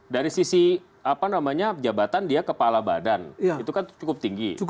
dari sisi jabatan dia kepala badan itu kan cukup tinggi